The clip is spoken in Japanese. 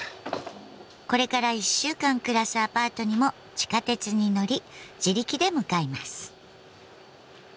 これから１週間暮らすアパートにも地下鉄に乗り自力で向かいます。